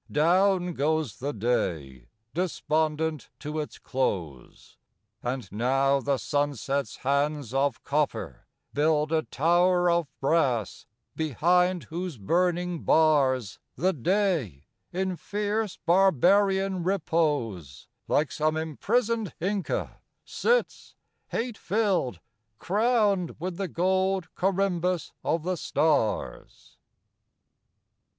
Down goes the day despondent to its close: And now the sunset's hands of copper build A tower of brass, behind whose burning bars, The Day, in fierce, barbarian repose, Like some imprisoned Inca sits, hate filled, Crowned with the gold corymbus of the stars.